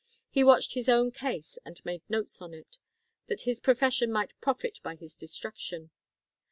He watched his own case and made notes on it, that his profession might profit by his destruction.